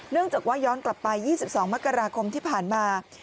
จากว่าย้อนกลับไป๒๒มกราคมที่ผ่านมา